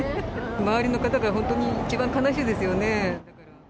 周りの方が本当に一番悲しいですよね。